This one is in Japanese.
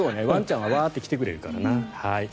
ワンちゃんはわーって来てくれるからな。